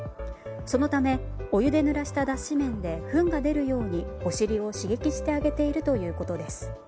そのためお湯でぬらした脱脂綿でふんが出るようにおしりを刺激してあげているということです。